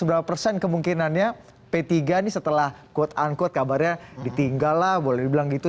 berapa persen kemungkinannya p tiga nih setelah quote unquote kabarnya ditinggal lah boleh dibilang gitu